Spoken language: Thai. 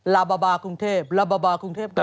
ลาบาบากรุงเทพลาบาบากรุงเทพ